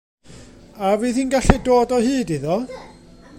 A fydd hi'n gallu dod o hyd iddo?